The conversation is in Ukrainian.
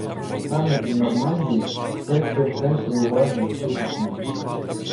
Саміт в Нормандії все ще в центрі уваги всіх ЗМІ